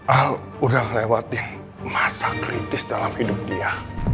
ah udah lewatin masa kritis dalam hidup dia